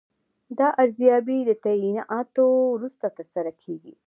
دا ارزیابي د تعیناتو وروسته ترسره کیږي.